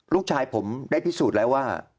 ลูกชายผมได้พิสูจน์แล้วว่า